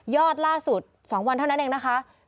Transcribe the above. ล่าสุด๒วันเท่านั้นเองนะคะ